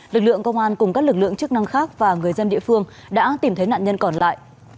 lực lượng công an cùng các lực lượng chức năng khác và người dân địa phương đã tìm thấy nạn nhân còn lại